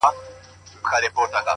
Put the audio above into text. • وړونه مي ټول د ژوند پر بام ناست دي؛